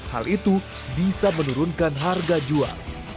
hal itu bisa menurunkan harga jual